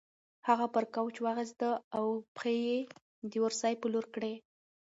هغه پر کوچ وغځېده او پښې یې د اورسۍ په لور کړې.